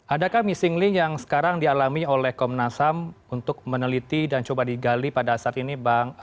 adakah missing link yang sekarang dialami oleh komnas ham untuk meneliti dan coba digali pada saat ini bang